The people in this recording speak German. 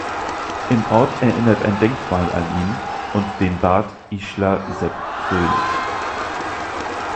Im Ort erinnert ein Denkmal an ihn und den Bad Ischler Sepp Fröhlich.